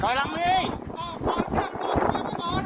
ใจเย็นใจเย็น